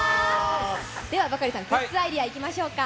ではバカリさん、グッズアイデアいきましょうか。